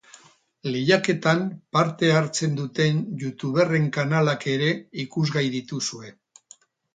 Lehiaketan parte hartzen duten youtuberren kanalak ere ikusgai dituzue.